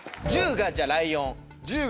１０がライオン。